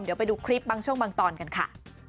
เดี๋ยวไปดูคลิปบางช่วงบางตอนกันค่ะ